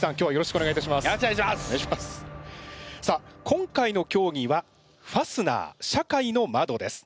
今回の競技は「ファスナー社会の窓」です。